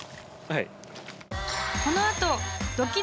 はい。